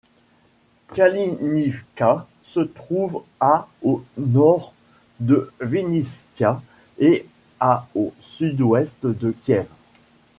Kalynivka se trouve à au nord de Vinnytsia et à au sud-ouest de Kiev.